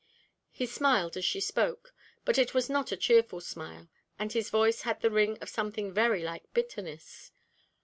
He smiled as he spoke, but it was not a cheerful smile, and his voice had the ring of something very like bitterness.